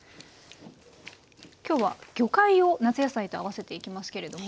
今日は魚介を夏野菜と合わせていきますけれども。